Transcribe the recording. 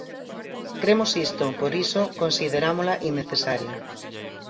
Cremos isto, por iso considerámola innecesaria.